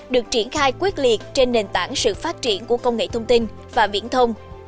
được triển khai quyết liệt trên nền tảng sự phát triển của công nghệ thông tin và viễn thông